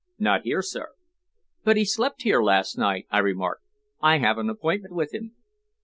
"Not here, sir." "But he slept here last night," I remarked. "I have an appointment with him."